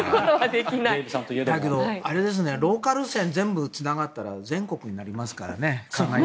だけどローカル線全部つながったら全国になりますからね。